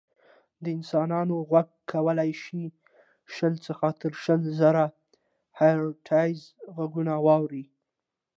د انسان غوږ کولی شي شل څخه تر شل زره هیرټز غږونه واوري.